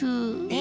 え？